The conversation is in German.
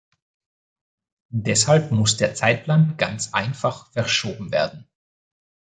Deshalb muss der Zeitplan ganz einfach verschoben werden.